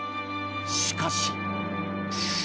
しかし。